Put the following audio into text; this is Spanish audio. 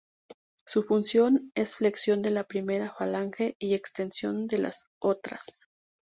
Su función es flexión de la primera falange y extensión de las otras.